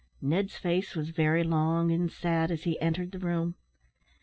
Ned's face was very long and sad as he entered the room.